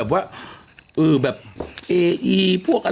มันก็เลยปักแจง